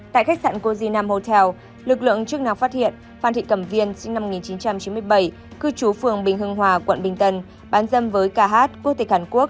tại khách sạn cozina hotel lực lượng chức năng phát hiện phan thị cẩm viên sinh năm một nghìn chín trăm chín mươi bảy cư trú phường bình hưng hòa quận bình tân bán dâm với kh quốc tịch hàn quốc